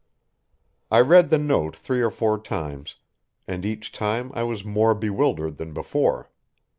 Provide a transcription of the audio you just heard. I read the note three or four times, and each time I was more bewildered than before.